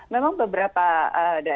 memang beberapa daerah